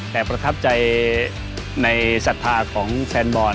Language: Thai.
แต่ประทับใจในศรัทธาของแฟนบอล